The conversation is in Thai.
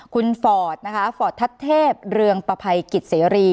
คุณฟอร์ดนะคะฟอร์ตทัศเทพเรืองประภัยกิจเสรี